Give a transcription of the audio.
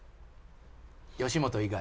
吉本以外。